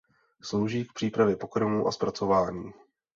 Slouží k přípravě pokrmů a zpracování.